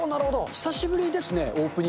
久しぶりですね。